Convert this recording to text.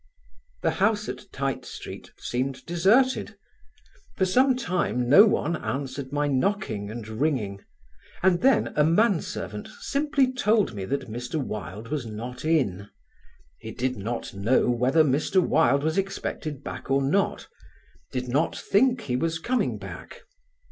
The house at Tite Street seemed deserted. For some time no one answered my knocking and ringing, and then a man servant simply told me that Mr. Wilde was not in: he did not know whether Mr. Wilde was expected back or not; did not think he was coming back.